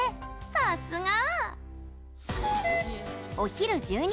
さっすが！